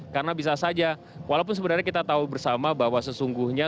karena bisa saja walaupun sebenarnya kita tahu bersama bahwa sesungguhnya